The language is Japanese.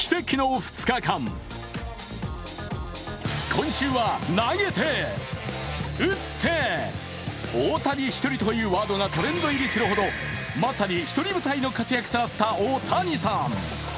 今週は投げて打って、大谷ひとりというワードがトレンド入りするほどまさに独り舞台の活躍となった大谷さん。